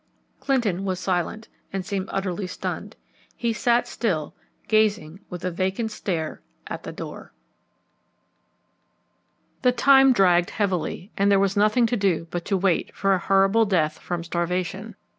Clinton was silent, and seemed utterly stunned. He sat still, gazing with a vacant stare at the door. The time dragged heavily, and there was nothing to do but to wait for a horrible death from starvation.